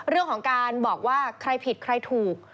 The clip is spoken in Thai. เรื่องของการบอกว่าใครผิดใครถูก